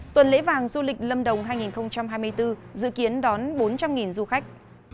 tuần lễ vàng du lịch lâm đồng hai nghìn hai mươi bốn dự kiến đón bốn trăm linh du khách